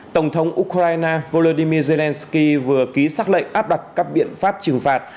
tổng thống ukraine volodymyr zelensky vừa ký xác lệnh áp đặt các biện pháp trừng phạt